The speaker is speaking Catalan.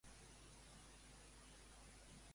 Amb una vida humana en joc.